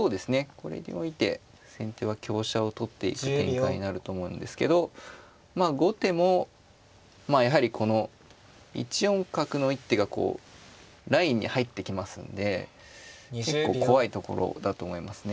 これにおいて先手は香車を取っていく展開になると思うんですけど後手もやはりこの１四角の一手がこうラインに入ってきますんで結構怖いところだと思いますね。